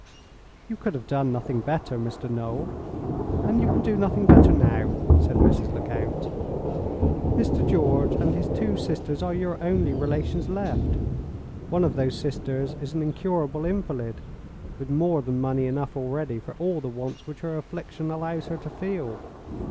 "You could have done nothing better, Mr. Noel; and you can do nothing better now," said Mrs. Lecount. "Mr. George and his two sisters are your only relations left. One of those sisters is an incurable invalid, with more than money enough already for all the wants which her affliction allows her to feel.